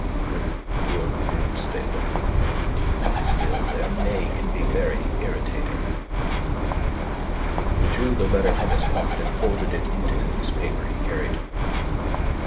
Good poor brutes they look. Still their neigh can be very irritating. He drew the letter from his pocket and folded it into the newspaper he carried.